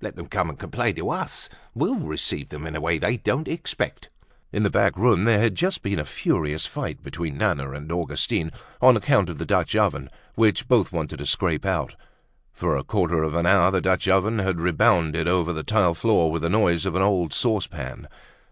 Let them come and complain to us, we'll receive them in a way they don't expect." In the back room there had just been a furious fight between Nana and Augustine, on account of the Dutch oven, which both wanted to scrape out. For a quarter of an hour, the Dutch oven had rebounded over the tile floor with the noise of an old saucepan.